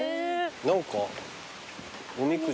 何かおみくじ。